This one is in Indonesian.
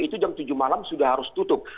itu jam tujuh malam sudah harus tutup